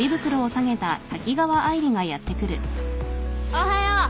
・おはよう。